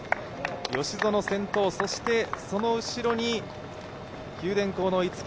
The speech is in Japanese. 吉薗先頭、そしてその後ろに九電工の逸木。